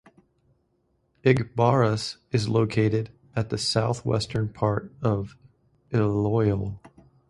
Igbaras is located at the south-western part of Iloilo.